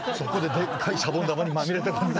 でっかいシャボン玉にまみれて。